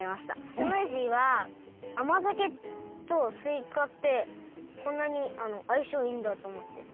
スムージーはあまざけとすいかってこんなにあいしょういいんだとおもってびっくりしました。